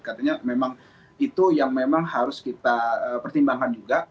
katanya memang itu yang memang harus kita pertimbangkan juga